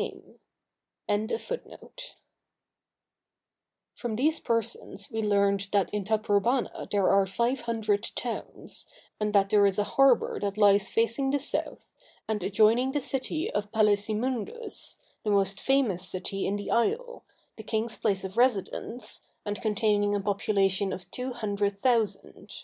From these persons we learned that in Taprobana there are five hundred towns, and that there is a harbor that lies facing the south, and adjoining the city of Palæsimundus, the most famous city in the isle, the king's place of residence, and containing a population of two hundred thousand.